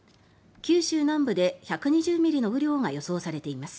九州南部で１２０ミリの雨量が予想されています。